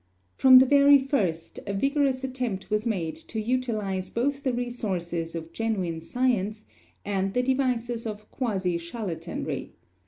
From the very first a vigorous attempt was made to utilize both the resources of genuine science and the devices of quasi charlatanry.